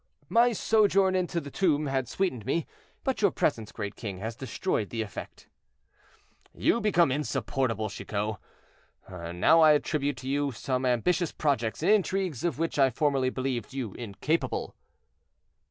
"My sojourn in the tomb had sweetened me, but your presence, great king, has destroyed the effect." "You become insupportable, Chicot; and I now attribute to you ambitious projects and intrigues of which I formerly believed you incapable."